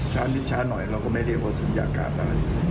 ช้านิดช้าหน่อยเราก็ไม่ได้เรียกว่าสุนยากาศนะ